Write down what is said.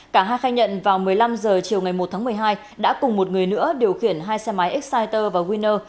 cả hai khai nhận vào một mươi năm h chiều ngày một tháng một mươi hai đã cùng một người nữa điều khiển hai xe máy exciter và winner